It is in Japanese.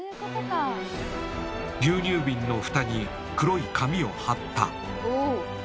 牛乳瓶のフタに黒い紙を貼った。